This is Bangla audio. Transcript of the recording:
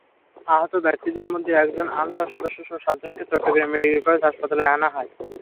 আহত ব্যক্তিদের মধ্যে একজন আনসার সদস্যসহ সাতজনকে চট্টগ্রাম মেডিকেল কলেজ হাসপাতালে আনা হয়।